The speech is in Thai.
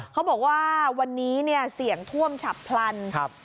เขาบอกว่าวันนี้เสี่ยงท่วมฉับพรรณ